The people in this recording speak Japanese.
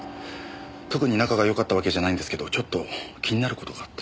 特に仲がよかったわけじゃないんですけどちょっと気になる事があって。